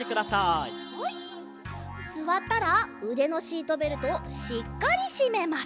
すわったらうでのシートベルトをしっかりしめます。